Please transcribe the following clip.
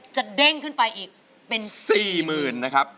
จะเด้งขึ้นไปอีกเป็นสี่หมื่นสี่หมื่นนะครับ